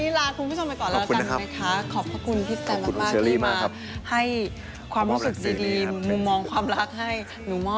เอาล่ะเทปนี้ลาคุณผู้ชมไปก่อนแล้วกันนะคะขอบคุณนะครับ